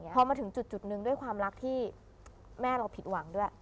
พอมาถึงจุดหนึ่งด้วยความรักที่แม่เราผิดหวังด้วย